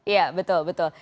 ya betul betul